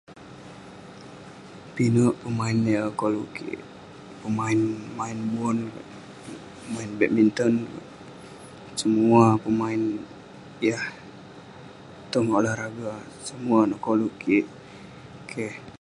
Pinek pemain yah koluk kik, pemain main bon, pemain badminton, semua pemain yah tong olahraga , semua neh koluk kik..keh..